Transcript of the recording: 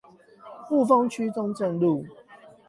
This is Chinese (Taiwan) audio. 霧峰區中正路